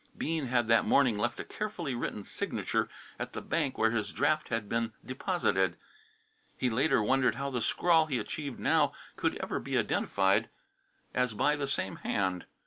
Bean had that morning left a carefully written signature at the bank where his draft had been deposited. He later wondered how the scrawl he achieved now could ever be identified as by the same hand.